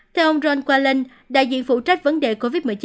theo ông ron qualen đại diện phụ trách vấn đề covid một mươi chín